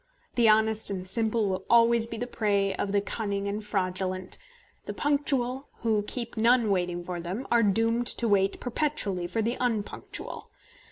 The honest and simple will always be the prey of the cunning and fraudulent. The punctual, who keep none waiting for them, are doomed to wait perpetually for the unpunctual.